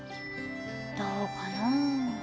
どうかなぁ。